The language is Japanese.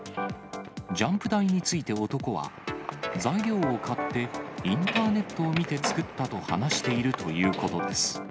ジャンプ台について男は、材料を買ってインターネットを見て作ったと話しているということです。